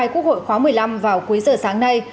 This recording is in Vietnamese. quốc hội khóa một mươi năm vào cuối giờ sáng nay